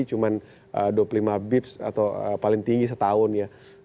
cuma dua puluh lima bips atau paling tinggi setahun ya